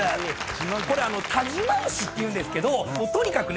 これ但馬牛っていうんですけどとにかくね